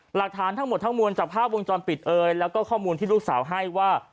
หลักฐานทั้งหมดทั้งมวลจากภาพวงจรปิดเอยแล้วก็ข้อมูลที่ลูกสาวให้ว่า